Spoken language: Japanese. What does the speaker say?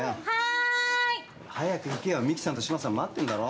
早く行けよ美樹さんと志麻さん待ってんだろ？